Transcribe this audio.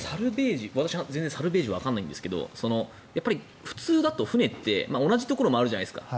私、全然サルベージわからないんですが普通だと船って同じところもあるじゃないですか。